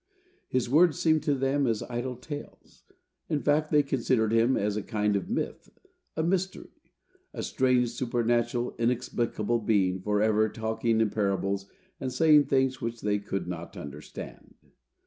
His words seemed to them as idle tales. In fact, they considered him as a kind of a myth,—a mystery,—a strange, supernatural, inexplicable being, forever talking in parables, and saying things which they could not understand.